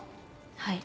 はい。